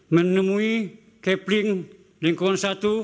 menemui capling lingkungan satu